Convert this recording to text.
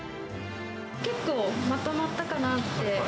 結構まとまったかなって。